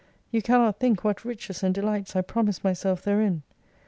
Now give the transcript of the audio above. You can not think what riches and delights I promised myself therein.